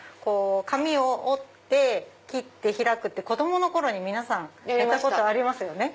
紙を折って切って開くって子供の頃に皆さんやったことありますよね。